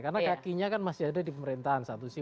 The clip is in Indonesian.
karena kakinya kan masih ada di pemerintahan satu sih